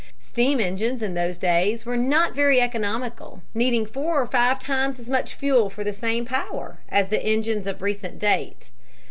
Steam engines in those days were not very economical, needing four or five times as much fuel for the same power as the engines of recent date.